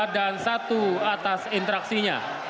dan satu atas interaksinya